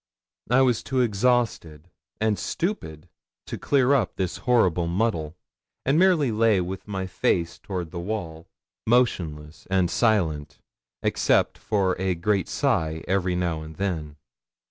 I was too exhausted and stupid to clear up this horrible muddle, and merely lay with my face toward the wall, motionless and silent, except for a great sigh every now and then.